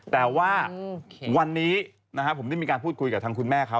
แต่ว่าวันนี้ผมได้มีการพูดคุยกับทางคุณแม่เขา